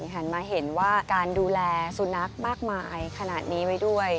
หันมาเห็นว่าการดูแลสุนัขมากมายขนาดนี้ไว้ด้วย